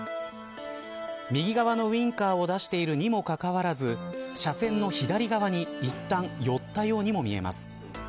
右側のウインカーを出しているにもかかわらず車線の左側にいったん、寄ったようにも見えます。